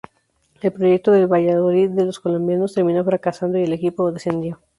El proyecto del "Valladolid de los colombianos" terminó fracasando y el equipó descendió.